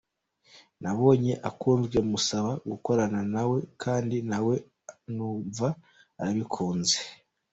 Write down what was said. Nabonye akunzwe musaba gukorana na we kandi na we numva arabikunze.